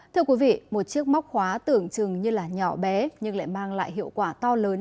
thưa quý vị một chiếc móc khóa tưởng chừng như là nhỏ bé nhưng lại mang lại hiệu quả to lớn